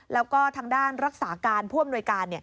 แล้วก็ทางด้านรักษาการผู้อำนวยการ